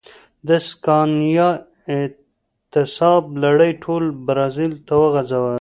د سکانیا اعتصاب لړۍ ټول برازیل ته وغځېده.